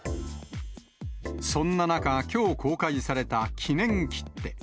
そんな中、きょう公開された記念切手。